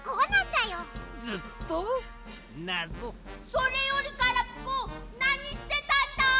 それよりガラピコなにしてたんだい！？